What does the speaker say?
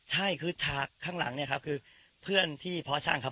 ใช่คือฉากข้างหลังเนี่ยครับคือเพื่อนที่เพาะช่างครับ